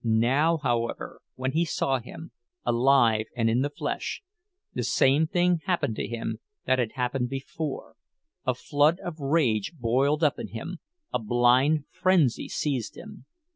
Now, however, when he saw him, alive and in the flesh, the same thing happened to him that had happened before—a flood of rage boiled up in him, a blind frenzy seized him.